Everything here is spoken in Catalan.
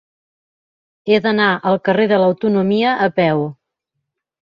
He d'anar al carrer de l'Autonomia a peu.